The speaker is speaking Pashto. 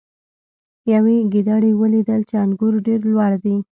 یوې ګیدړې ولیدل چې انګور ډیر لوړ دي.